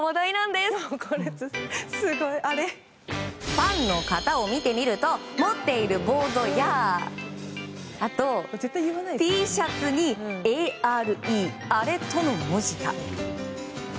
ファンの方を見てみると持っているボードやあと、ＴシャツにＡ・Ｒ・Ｅ「アレ」との文字が。